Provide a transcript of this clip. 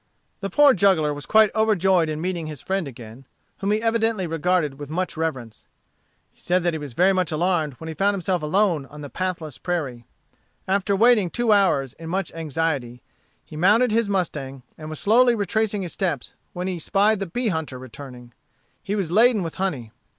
The poor juggler was quite overjoyed in meeting his friend again, whom he evidently regarded with much reverence. He said that he was very much alarmed when he found himself alone on the pathless prairie. After waiting two hours in much anxiety, he mounted his mustang, and was slowly retracing his steps, when he spied the bee hunter returning. He was laden with honey.